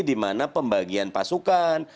di mana pembagian pasukan